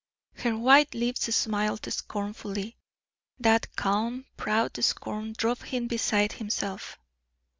Her white lips smiled scornfully; that calm, proud, scorn drove him beside himself.